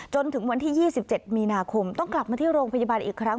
จนถึงวันที่๒๗มีนาคมต้องกลับมาที่โรงพยาบาลอีกครั้ง